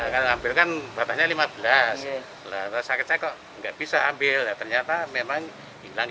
karena ambil kan batasnya lima belas sakitnya kok nggak bisa ambil ternyata memang hilang lima belas